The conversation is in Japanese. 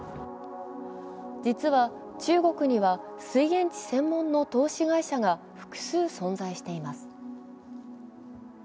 実は中国には水源地専門の投資会社が複数存在しています。